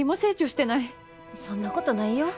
そんなことないよ。